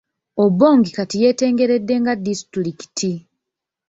Obongi kati yeetengeredde nga disitulikiti.